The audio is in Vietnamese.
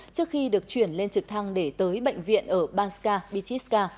trước khi được chuyển lên trực thăng để tới bệnh viện ở banska bichiska